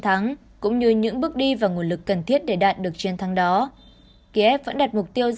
thắng cũng như những bước đi và nguồn lực cần thiết để đạt được chiến thắng đó kiev vẫn đặt mục tiêu